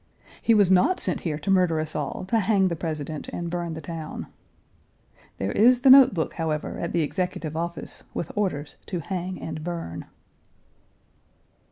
He was not sent here to murder us all, to hang the President, and burn the town. There is the note book, however, at the Executive Office, with orders to hang and burn.